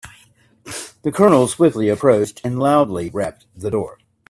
The colonel swiftly approached and loudly rapped the door.